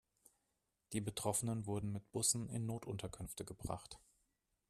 Die Betroffenen wurden mit Bussen in Notunterkünfte gebracht.